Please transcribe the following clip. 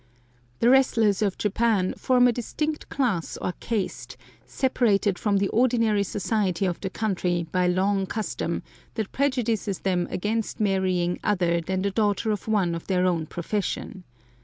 The wrestlers of Japan form a distinct class or caste, separated from the ordinary society of the country by long custom, that prejudices them against marrying other than the daughter of one of their own profession.